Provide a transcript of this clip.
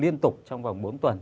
liên tục trong vòng bốn tuần